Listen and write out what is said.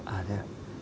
à thế ạ